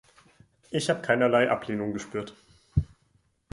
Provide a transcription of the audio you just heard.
Ich habe keinerlei Ablehnung gespürt.